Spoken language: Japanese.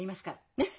ねっ！